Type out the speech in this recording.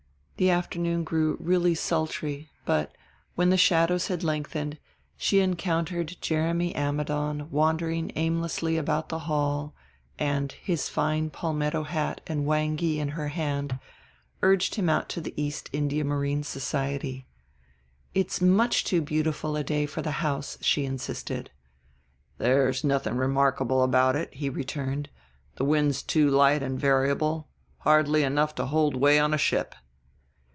The afternoon grew really sultry, but, when the shadows had lengthened, she encountered Jeremy Ammidon wandering aimlessly about the hall and, his fine palmetto hat and wanghee in her hand, urged him out to the East India Marine Society. "It's much too beautiful a day for the house," she insisted. "There's nothing remarkable about it," he returned; "wind's too light and variable, hardly enough to hold way on a ship."